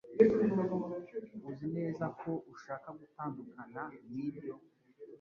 Uzi neza ko ushaka gutandukana nibyo?